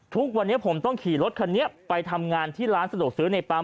ทุกวันนี้ผมต้องขี่รถคันนี้ไปทำงานที่ร้านสะดวกซื้อในปั๊ม